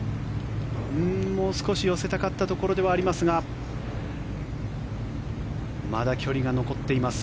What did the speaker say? もう少し寄せたかったところではありますがまだ距離が残っています。